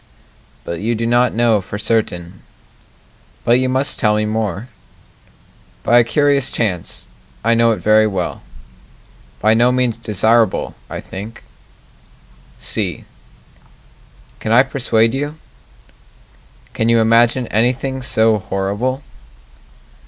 But you do not know for certain But you must tell me more By a curious chance, I know it very well By no means desirable, I think C Can I persuade you? Can you imagine anything so horrible?